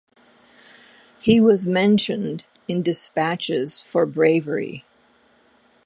He was mentioned in despatches for bravery.